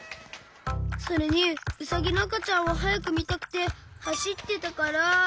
それにウサギのあかちゃんをはやくみたくてはしってたから。